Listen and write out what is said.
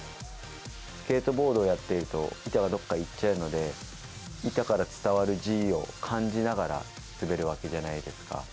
スケートボードをやっていると、板がどっか行っちゃうので、板から伝わるＧを感じながら滑るわけじゃないですか。